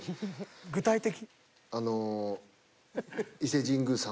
具体的。